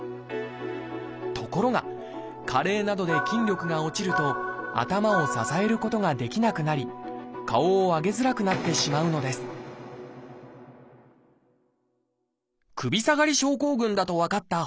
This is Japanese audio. ところが加齢などで筋力が落ちると頭を支えることができなくなり顔を上げづらくなってしまうのです首下がり症候群だと分かった本多さん。